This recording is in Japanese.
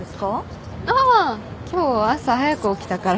ああ今日朝早く起きたから。